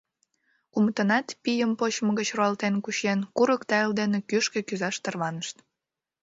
Кумытынат пийым почшо гыч руалтен кучен, курык тайыл дене кӱшкӧ кӱзаш тарванышт.